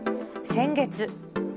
先月。